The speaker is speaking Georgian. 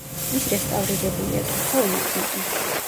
ის რესტავრირებულია, თუმცა უმოქმედო.